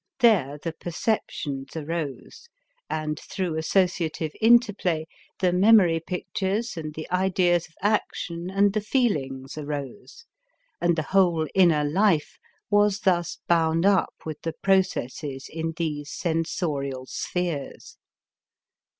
There the perceptions arose and through associative interplay the memory pictures and the ideas of action and the feelings arose, and the whole inner life was thus bound up with the processes in these sensorial spheres.